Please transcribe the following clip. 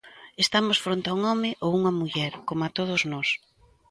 Estamos fronte un home ou unha muller, coma todos nós.